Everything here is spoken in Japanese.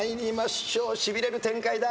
しびれる展開だ。